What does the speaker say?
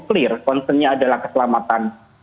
clear concernnya adalah keselamatan